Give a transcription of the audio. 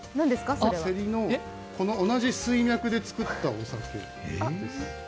セリと同じ水脈で造ったお酒です。